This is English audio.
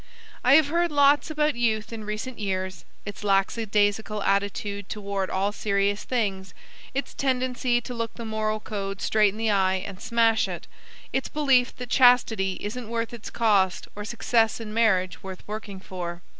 I have heard lots about Youth in recent years its lackadaisical attitude toward all serious things, its tendency to look the moral code straight in the eye and smash it, its belief that chastity isn't worth its cost or success in marriage worth working for.